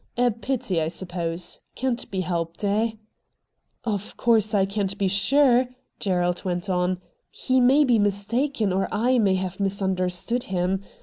A pity, I suppose. Can't be helped, eh ?'' Of course, I can't be sure,' Gerald went on. ' He may be mistaken, or I may have misunderstood him.